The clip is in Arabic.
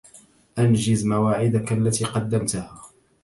أنجز مواعدك التي قدمتها